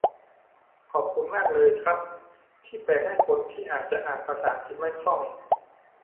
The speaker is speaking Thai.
ขอบคุณมากเลยครับที่แปลให้คนที่อาจจะอ่านภาษาอังกฤษไม่คล่อง